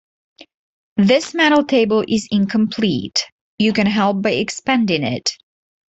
This medal table is incomplete; you can help by expanding it.